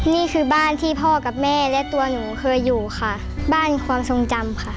นี่คือบ้านที่พ่อกับแม่และตัวหนูเคยอยู่ค่ะบ้านความทรงจำค่ะ